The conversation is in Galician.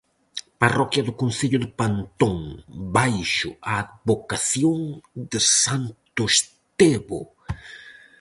Parroquia do concello de Pantón baixo a advocación de santo Estevo.